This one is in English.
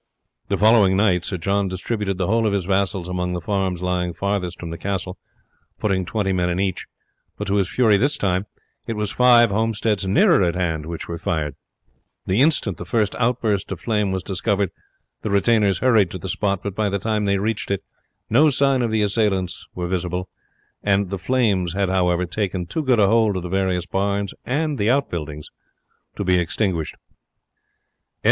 The following night Sir John distributed the whole of his vassals among the farms lying farthest from the castle, putting twenty men in each; but to his fury this time it was five homesteads nearer at hand which were fired. The instant the first outburst of flame was discovered the retainers hurried to the spot; but by the time they reached it no sign of the assailants was visible; the flames had however taken too good a hold of the various barns and outbuildings to be extinguished.